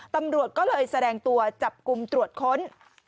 ตำรวจก็เลยแสดงตัวจับกลุ่มตรวจค้น